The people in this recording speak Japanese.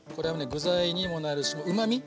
具材にもなるしうまみ？